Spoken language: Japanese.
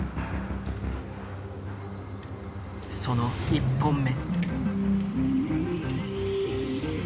その１本目。